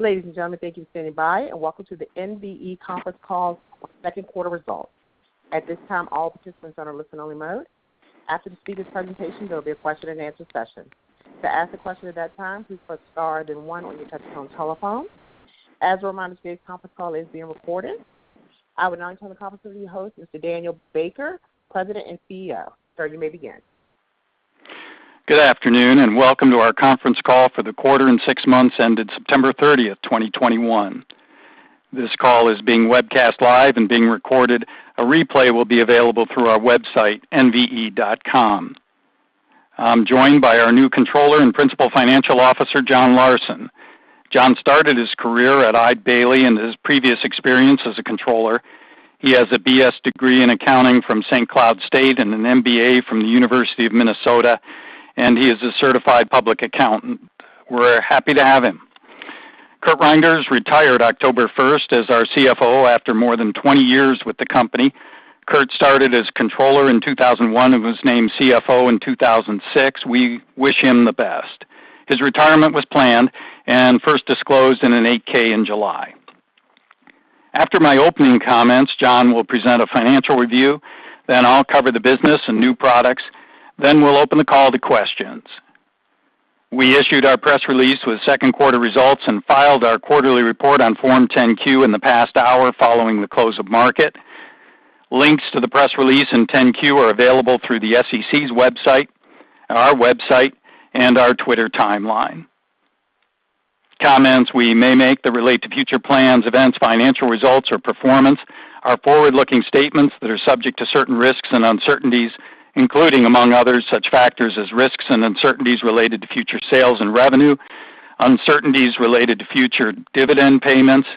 Ladies and gentlemen, thank you for standing by, and welcome to the NVE conference call second quarter results. At this time, all participants are on a listen-only mode. After the speaker's presentation, there will be a question-and-answer session. To ask a question at that time, please press star then one on your touchtone telephone. As a reminder, today's conference call is being recorded. I would now turn the conference over to your host, Mr. Daniel A. Baker, President and Chief Executive Officer. Sir, you may begin. Good afternoon, welcome to our conference call for the quarter and six months ended September 30th, 2021. This call is being webcast live and being recorded. A replay will be available through our website, nve.com. I'm joined by our new Controller and Principal Financial Officer, Jon Larson. Jon started his career at Eide Bailly and his previous experience as a controller. He has a BS degree in accounting from St. Cloud State University and an MBA from the University of Minnesota, and he is a certified public accountant. We're happy to have him. Curt Reynders retired October 1st as our CFO after more than 20 years with the company. Curt started as controller in 2001 and was named CFO in 2006. We wish him the best. His retirement was planned and first disclosed in an 8-K in July. After my opening comments, Jon will present a financial review, then I'll cover the business and new products. We'll open the call to questions. We issued our press release with second quarter results and filed our quarterly report on Form 10-Q in the past hour following the close of market. Links to the press release and 10-Q are available through the SEC's website, our website, and our Twitter timeline. Comments we may make that relate to future plans, events, financial results or performance are forward-looking statements that are subject to certain risks and uncertainties, including, among others, such factors as risks and uncertainties related to future sales and revenue, uncertainties related to future dividend payments,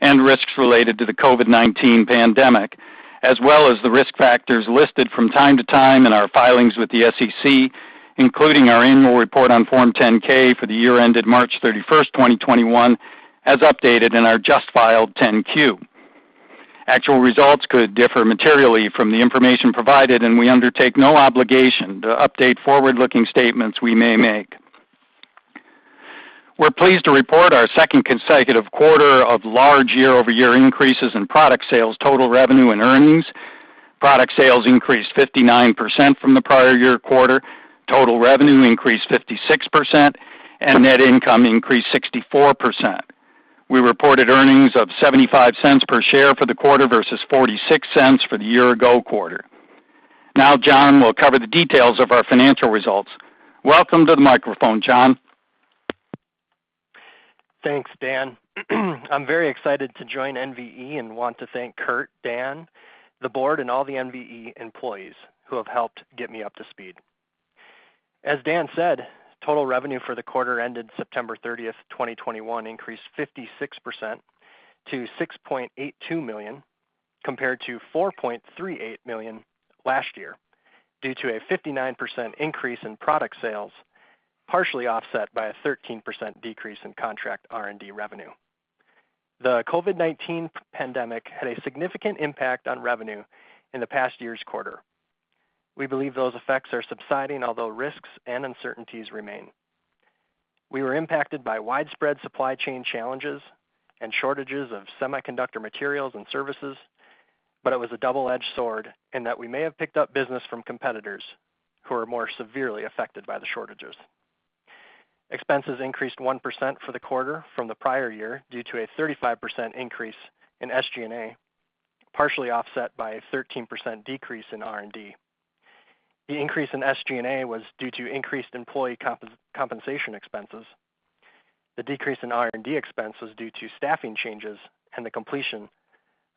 and risks related to the COVID-19 pandemic, as well as the risk factors listed from time to time in our filings with the SEC, including our annual report on Form 10-K for the year ended March 31st, 2021, as updated in our just filed 10-Q. Actual results could differ materially from the information provided, and we undertake no obligation to update forward-looking statements we may make. We're pleased to report our second consecutive quarter of large year-over-year increases in product sales, total revenue, and earnings. Product sales increased 59% from the prior year quarter. Total revenue increased 56%, and net income increased 64%. We reported earnings of $0.75 per share for the quarter versus $0.46 for the year-ago quarter. Jon will cover the details of our financial results. Welcome to the microphone, Jon. Thanks, Dan. I'm very excited to join NVE, and want to thank Curt, Dan, the board, and all the NVE employees who have helped get me up to speed. As Dan said, total revenue for the quarter ended September 30th, 2021, increased 56% to $6.82 million, compared to $4.38 million last year, due to a 59% increase in product sales, partially offset by a 13% decrease in contract R&D revenue. The COVID-19 pandemic had a significant impact on revenue in the past year's quarter. We believe those effects are subsiding, although risks and uncertainties remain. We were impacted by widespread supply chain challenges and shortages of semiconductor materials and services, but it was a double-edged sword in that we may have picked up business from competitors who are more severely affected by the shortages. Expenses increased 1% for the quarter from the prior year due to a 35% increase in SG&A, partially offset by a 13% decrease in R&D. The increase in SG&A was due to increased employee compensation expenses. The decrease in R&D expense was due to staffing changes and the completion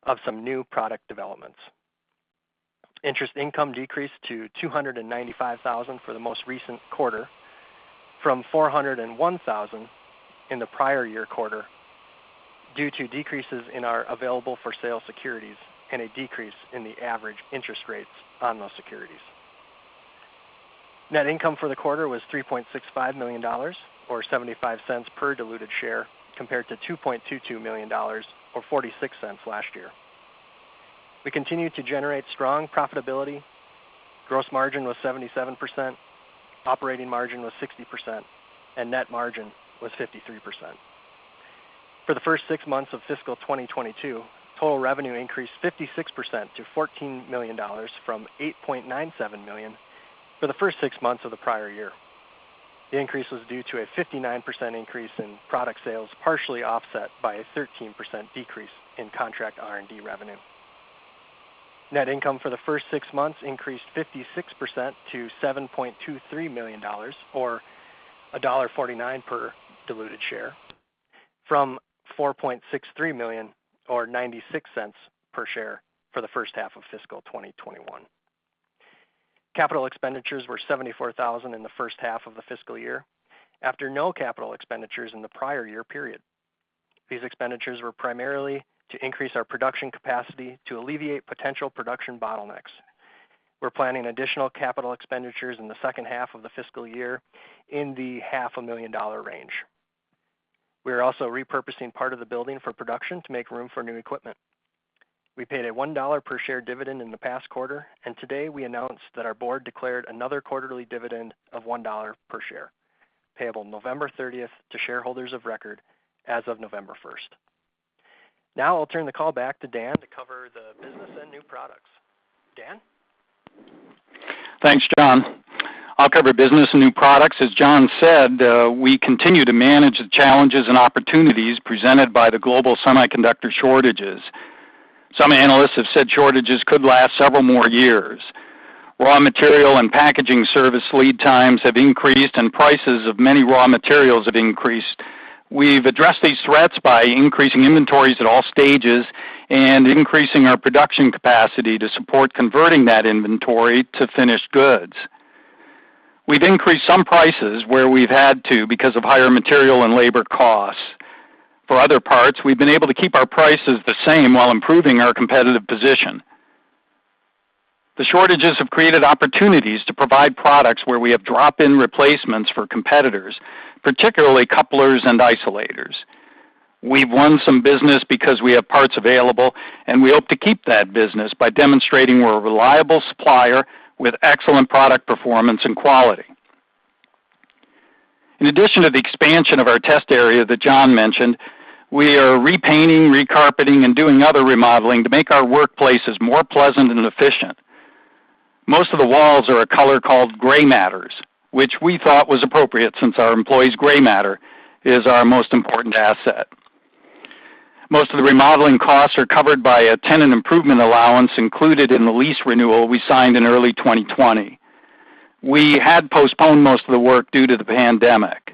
of some new product developments. Interest income decreased to $295,000 for the most recent quarter from $401,000 in the prior year quarter due to decreases in our available-for-sale securities and a decrease in the average interest rates on those securities. Net income for the quarter was $3.65 million, or $0.75 per diluted share, compared to $2.22 million or $0.46 last year. We continue to generate strong profitability. Gross margin was 77%, operating margin was 60%, and net margin was 53%. For the first six months of fiscal 2022, total revenue increased 56% to $14 million from $8.97 million for the first six months of the prior year. The increase was due to a 59% increase in product sales, partially offset by a 13% decrease in contract R&D revenue. Net income for the first six months increased 56% to $7.23 million, or $1.49 per diluted share, from $4.63 million or $0.96 per share for the first half of fiscal 2021. Capital expenditures were $74,000 in the first half of the fiscal year after no capital expenditures in the prior year period. These expenditures were primarily to increase our production capacity to alleviate potential production bottlenecks. We're planning additional capital expenditures in the H2 of the fiscal year in the half a million dollar range. We are also repurposing part of the building for production to make room for new equipment. We paid a $1 per share dividend in the past quarter. Today we announced that our board declared another quarterly dividend of $1 per share, payable November 30th to shareholders of record as of November 1st. I'll turn the call back to Dan to cover the business and new products. Dan? Thanks, Jon. I'll cover business and new products. As Jon said, we continue to manage the challenges and opportunities presented by the global semiconductor shortages. Some analysts have said shortages could last several more years. Raw material and packaging service lead times have increased, and prices of many raw materials have increased. We've addressed these threats by increasing inventories at all stages and increasing our production capacity to support converting that inventory to finished goods. We've increased some prices where we've had to because of higher material and labor costs. For other parts, we've been able to keep our prices the same while improving our competitive position. The shortages have created opportunities to provide products where we have drop-in replacements for competitors, particularly couplers and isolators. We've won some business because we have parts available, and we hope to keep that business by demonstrating we're a reliable supplier with excellent product performance and quality. In addition to the expansion of our test area that Jon mentioned, we are repainting, recarpeting, and doing other remodeling to make our workplaces more pleasant and efficient. Most of the walls are a color called Gray Matters, which we thought was appropriate since our employees' gray matter is our most important asset. Most of the remodeling costs are covered by a tenant improvement allowance included in the lease renewal we signed in early 2020. We had postponed most of the work due to the pandemic.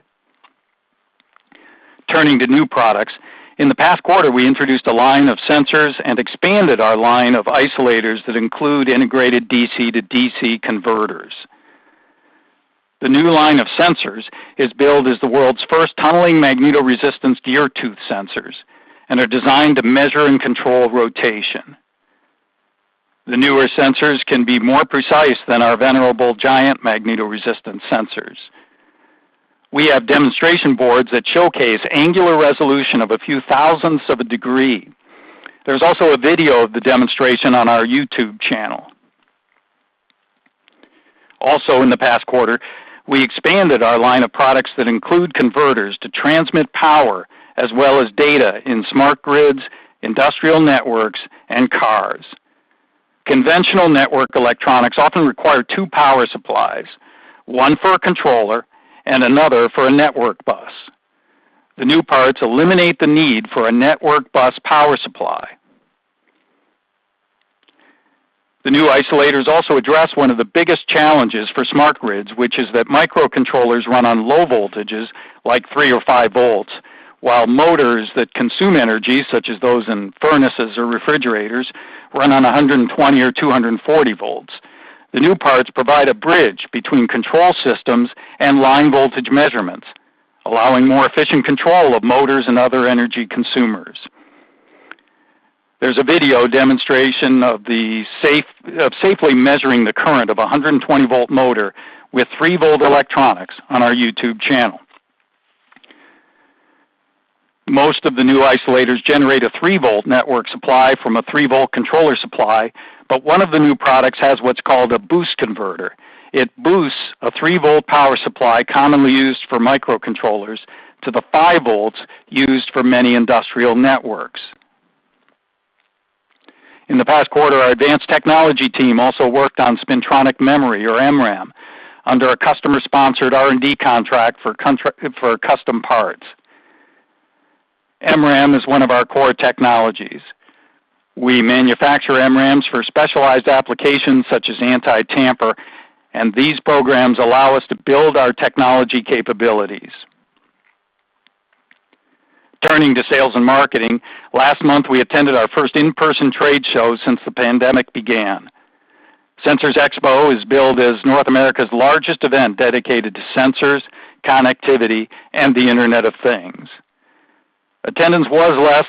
Turning to new products, in the past quarter, we introduced a line of sensors and expanded our line of isolators that include integrated DC-to-DC converters. The new line of sensors is billed as the world's first tunneling magnetoresistance gear tooth sensors and are designed to measure and control rotation. The newer sensors can be more precise than our venerable giant magnetoresistance sensors. We have demonstration boards that showcase angular resolution of a few thousandths of a degree. There's also a video of the demonstration on our YouTube channel. In the past quarter, we expanded our line of products that include converters to transmit power as well as data in smart grids, industrial networks, and cars. Conventional network electronics often require two power supplies, one for a controller, and one for a network bus. The new parts eliminate the need for a network bus power supply. The new isolators also address one of the biggest challenges for smart grids, which is that microcontrollers run on low voltages, like 3 or 5 V, while motors that consume energy, such as those in furnaces or refrigerators, run on 120 or 240 V. The new parts provide a bridge between control systems and line voltage measurements, allowing more efficient control of motors and other energy consumers. There's a video demonstration of safely measuring the current of 120 V motor with 3 V electronics on our YouTube channel. Most of the new isolators generate a 3 V network supply from a 3 V controller supply, but 1 of the new products has what's called a boost converter. It boosts a 3 V power supply commonly used for microcontrollers to the 5 V used for many industrial networks. In the past quarter, our advanced technology team also worked on spintronic memory or MRAM under a customer-sponsored R&D contract for custom parts. MRAM is one of our core technologies. We manufacture MRAMs for specialized applications such as anti-tamper, and these programs allow us to build our technology capabilities. Turning to sales and marketing, last month, we attended our first in-person trade show since the pandemic began. Sensors Expo is billed as North America's largest event dedicated to sensors, connectivity, and the Internet of Things. Attendance was less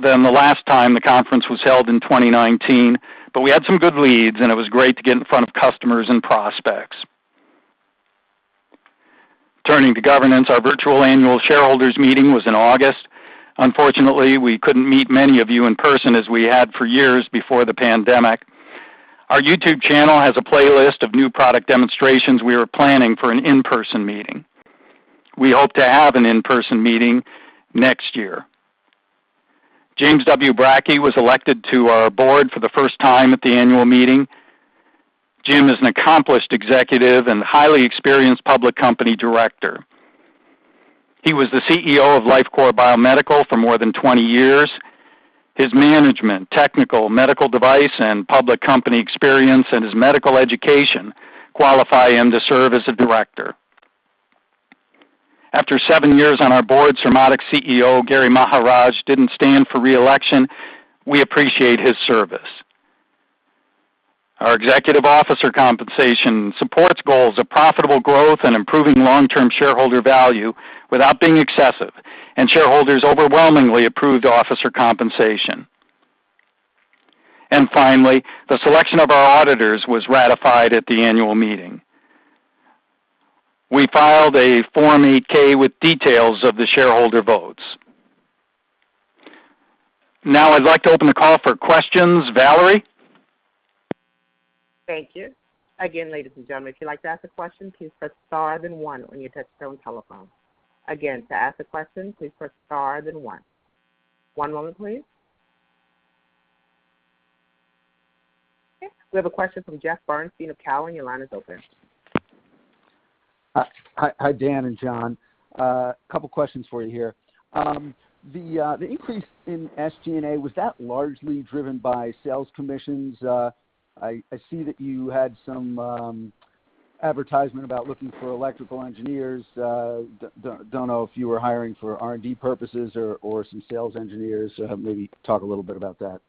than the last time the conference was held in 2019, but we had some good leads, and it was great to get in front of customers and prospects. Turning to governance, our virtual annual shareholders meeting was in August. Unfortunately, we couldn't meet many of you in person as we had for years before the pandemic. Our YouTube channel has a playlist of new product demonstrations we were planning for an in-person meeting. We hope to have an in-person meeting next year. James W. Bracke was elected to our board for the first time at the annual meeting. Jim is an accomplished executive and highly experienced public company director. He was the CEO of Lifecore Biomedical for more than 20 years. His management, technical, medical device, and public company experience and his medical education qualify him to serve as a director. After seven years on our board, Surmodics CEO Gary Maharaj didn't stand for re-election. We appreciate his service. Our executive officer compensation supports goals of profitable growth and improving long-term shareholder value without being excessive. Shareholders overwhelmingly approved officer compensation. Finally, the selection of our auditors was ratified at the annual meeting. We filed a Form 8-K with details of the shareholder votes. Now I'd like to open the call for questions. Valerie? Thank you. Again, ladies and gentlemen, if you'd like to ask a question, please press star then one on your touchtone telephone. Again, to ask a question, please press star then one. One moment, please. Okay. We have a question from Jeffrey Bernstein of Cowen. Your line is open. Hi, Dan and Jon. Couple questions for you here. The increase in SG&A, was that largely driven by sales commissions? I see that you had some advertisement about looking for electrical engineers. Don't know if you were hiring for R&D purposes or some sales engineers. Maybe talk a little bit about that.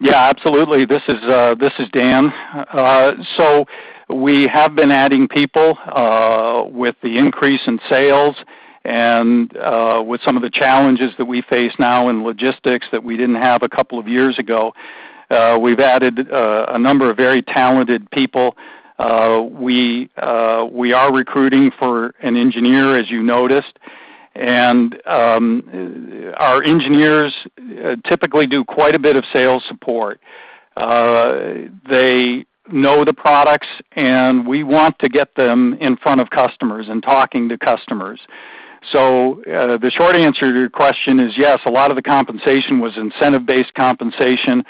Yeah, absolutely. This is Dan. We have been adding people, with the increase in sales and with some of the challenges that we face now in logistics that we didn't have a couple of years ago. We've added a number of very talented people. We are recruiting for an engineer, as you noticed. Our engineers typically do quite a bit of sales support. They know the products, and we want to get them in front of customers and talking to customers. The short answer to your question is, yes, a lot of the compensation was incentive-based compensation.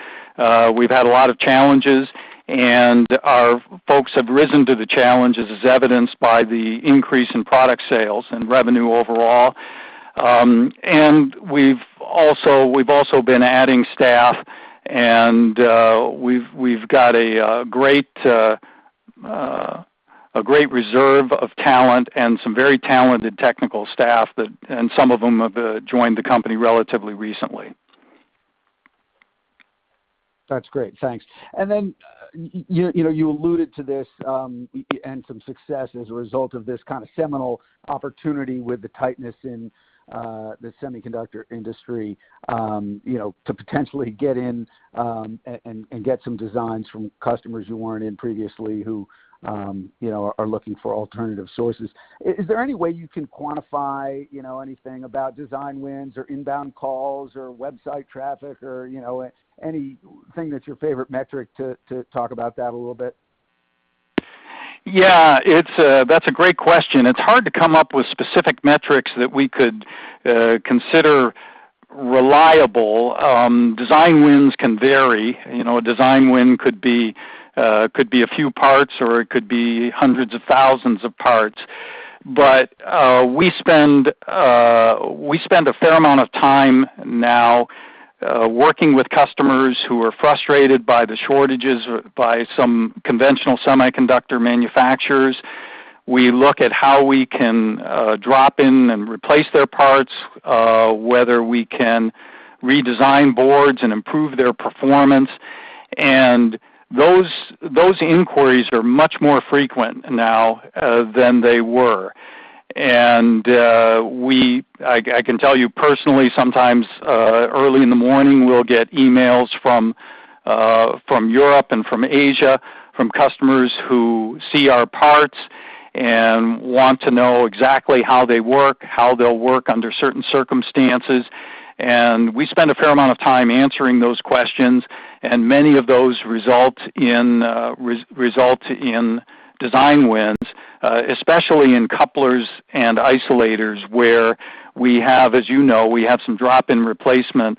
We've had a lot of challenges, and our folks have risen to the challenges, as evidenced by the increase in product sales and revenue overall. We've also been adding staff, and we've got a great reserve of talent and some very talented technical staff, and some of them have joined the company relatively recently. That's great. Thanks. Then, you alluded to this, and some success as a result of this kind of seminal opportunity with the tightness in the semiconductor industry, to potentially get in and get some designs from customers who weren't in previously, who are looking for alternative sources. Is there any way you can quantify anything about design wins or inbound calls or website traffic or anything that's your favorite metric to talk about that a little bit? Yeah. That's a great question. It's hard to come up with specific metrics that we could consider reliable. Design wins can vary. A design win could be a few parts, or it could be hundreds of thousands of parts. We spend a fair amount of time now working with customers who are frustrated by the shortages by some conventional semiconductor manufacturers. We look at how we can drop in and replace their parts, whether we can redesign boards and improve their performance. Those inquiries are much more frequent now than they were. I can tell you personally, sometimes early in the morning, we'll get emails from Europe and from Asia, from customers who see our parts and want to know exactly how they work, how they'll work under certain circumstances. We spend a fair amount of time answering those questions, and many of those result in design wins, especially in couplers and isolators, where we have, as you know, we have some drop-in replacement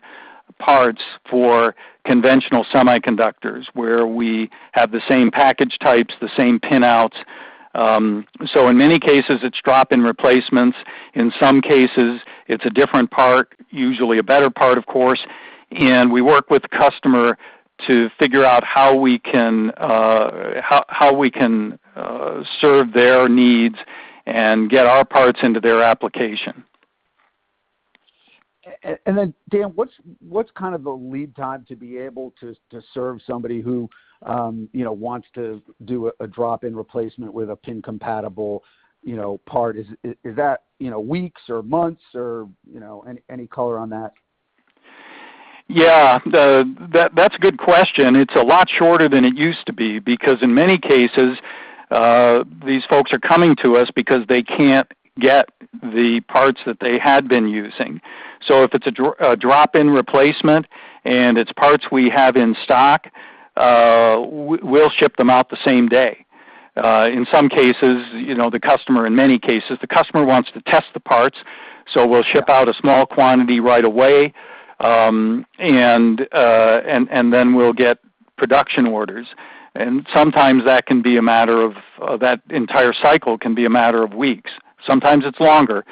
parts for conventional semiconductors, where we have the same package types, the same pinouts. In many cases, it's drop-in replacements. In some cases, it's a different part, usually a better part, of course, and we work with the customer to figure out how we can serve their needs and get our parts into their application. Dan, what's the lead time to be able to serve somebody who wants to do a drop-in replacement with a pin-compatible part. Is that weeks or months or any color on that? Yeah. That's a good question. It's a lot shorter than it used to be because in many cases, these folks are coming to us because they can't get the parts that they had been using. If it's a drop-in replacement and it's parts we have in stock, we'll ship them out the same day. In some cases, the customer, in many cases, the customer wants to test the parts, we'll ship out a small quantity right away, then we'll get production orders. Sometimes that entire cycle can be a matter of weeks. Sometimes it's longer.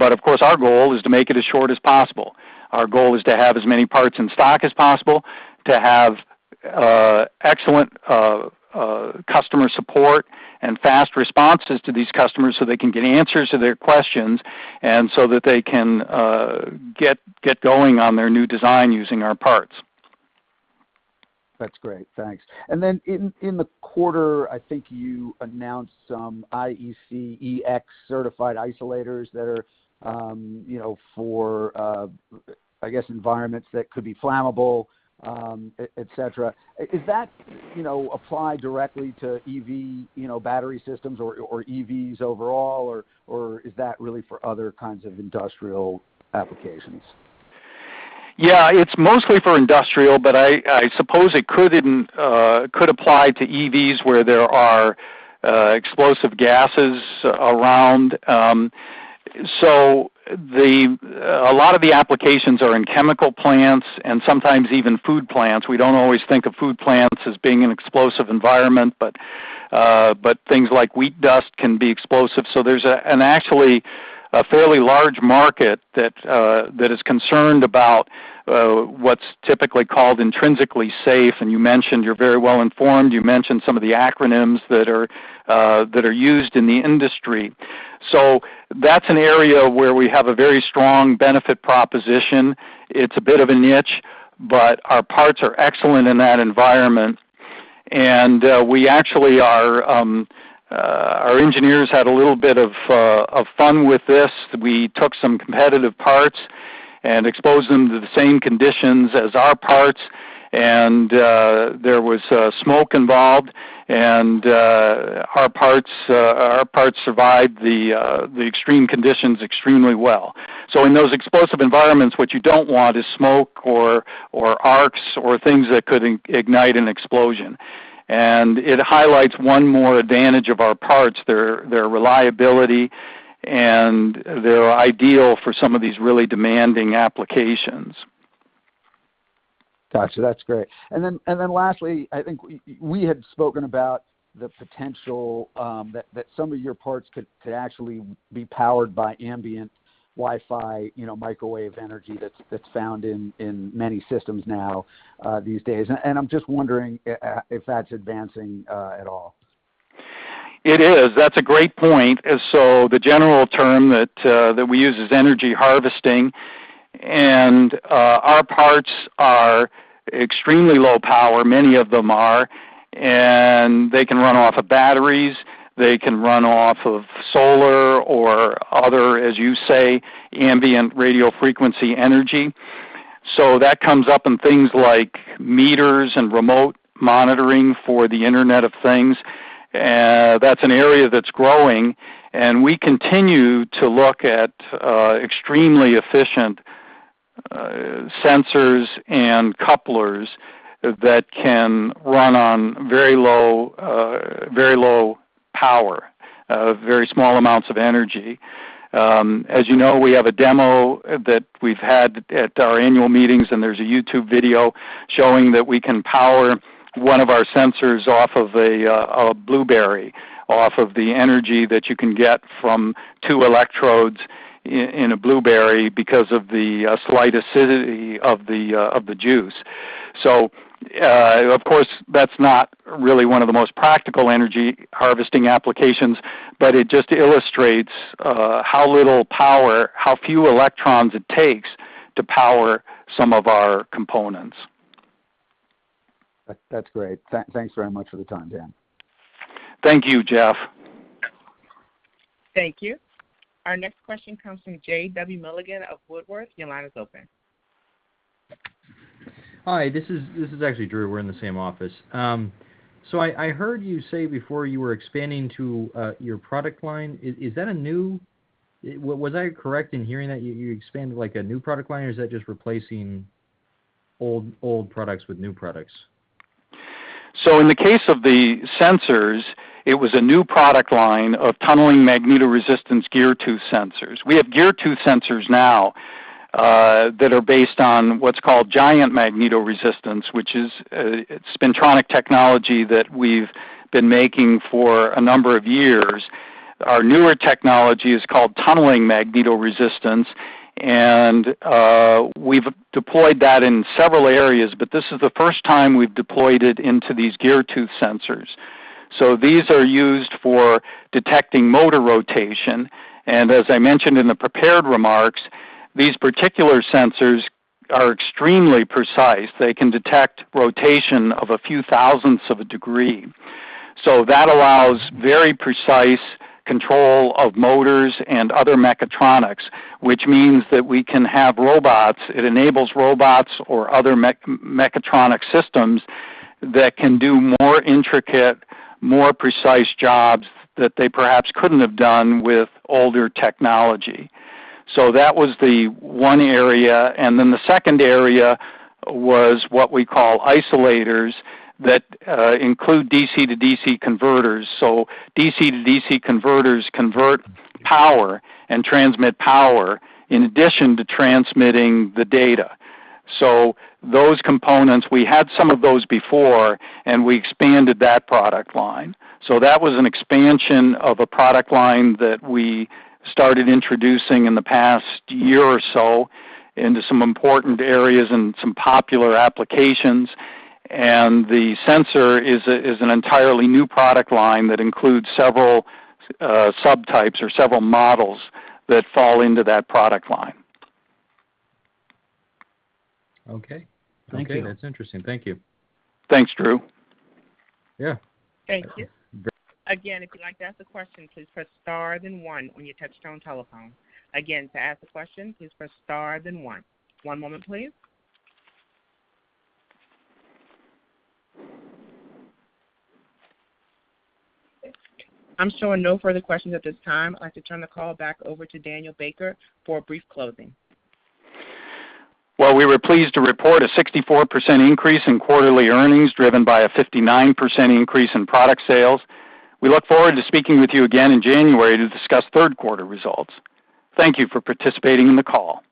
Of course, our goal is to make it as short as possible. Our goal is to have as many parts in stock as possible, to have excellent customer support and fast responses to these customers so they can get answers to their questions, and so that they can get going on their new design using our parts. That's great. Thanks. In the quarter, I think you announced some IECEx certified isolators that are for, I guess, environments that could be flammable, et cetera. Apply directly to EV battery systems or EVs overall, or is that really for other kinds of industrial applications? Yeah, it's mostly for industrial, but I suppose it could apply to EVs where there are explosive gases around. A lot of the applications are in chemical plants and sometimes even food plants. We don't always think of food plants as being an explosive environment, but things like wheat dust can be explosive. There's actually a fairly large market that is concerned about what's typically called intrinsically safe. You mentioned, you're very well-informed, you mentioned some of the acronyms that are used in the industry. That's an area where we have a very strong benefit proposition. It's a bit of a niche, but our parts are excellent in that environment. Our engineers had a little bit of fun with this. We took some competitive parts and exposed them to the same conditions as our parts, and there was smoke involved, and our parts survived the extreme conditions extremely well. In those explosive environments, what you don't want is smoke or arcs or things that could ignite an explosion. It highlights one more advantage of our parts, their reliability, and they're ideal for some of these really demanding applications. Got you. That's great. Lastly, I think we had spoken about the potential that some of your parts could actually be powered by ambient Wi-Fi, microwave energy that's found in many systems now these days. I'm just wondering if that's advancing at all. It is. That's a great point. The general term that we use is energy harvesting, and our parts are extremely low power, many of them are, and they can run off of batteries. They can run off of solar or other, as you say, ambient radio frequency energy. That comes up in things like meters and remote monitoring for the Internet of Things. That's an area that's growing, and we continue to look at extremely efficient sensors and couplers that can run on very low power, very small amounts of energy. As you know, we have a demo that we've had at our annual meetings, and there's a YouTube video showing that we can power one of our sensors off of a blueberry, off of the energy that you can get from two electrodes in a blueberry because of the slight acidity of the juice. Of course, that's not really one of the most practical energy harvesting applications, but it just illustrates how little power, how few electrons it takes to power some of our components. That's great. Thanks very much for the time, Dan. Thank you, Jeff. Thank you. Our next question comes from J. W. Milligan of Woodworth. Your line is open. Hi, this is actually Drew. We're in the same office. I heard you say before you were expanding to your product line. Was I correct in hearing that you expanded a new product line, or is that just replacing old products with new products? In the case of the sensors, it was a new product line of tunneling magnetoresistance gear tooth sensors. We have gear tooth sensors now that are based on what's called giant magnetoresistance, which is spintronics technology that we've been making for a number of years. Our newer technology is called tunneling magnetoresistance, and we've deployed that in several areas, but this is the first time we've deployed it into these gear tooth sensors. These are used for detecting motor rotation, and as I mentioned in the prepared remarks, these particular sensors are extremely precise. They can detect rotation of a few thousandths of a degree. That allows very precise control of motors and other mechatronics, which means that we can have robots. It enables robots or other mechatronic systems that can do more intricate, more precise jobs that they perhaps couldn't have done with older technology. That was the one area, and then the second area was what we call isolators that include DC-to-DC converters. DC-to-DC converters convert power and transmit power in addition to transmitting the data. Those components, we had some of those before, and we expanded that product line. That was an expansion of a product line that we started introducing in the past year or so into some important areas and some popular applications. The sensor is an entirely new product line that includes several subtypes or several models that fall into that product line. Okay. Thank you. Okay. That's interesting. Thank you. Thanks, Drew. Yeah. Thank you. If you'd like to ask a question, please press star then one on your touchtone telephone. To ask a question, please press star then one. One moment, please. I'm showing no further questions at this time. I'd like to turn the call back over to Daniel Baker for a brief closing. Well, we were pleased to report a 64% increase in quarterly earnings driven by a 59% increase in product sales. We look forward to speaking with you again in January to discuss third quarter results. Thank you for participating in the call.